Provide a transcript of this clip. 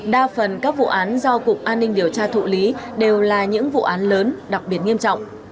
đa phần các vụ án do cục an ninh điều tra thụ lý đều là những vụ án lớn đặc biệt nghiêm trọng